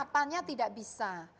tapi kapannya tidak bisa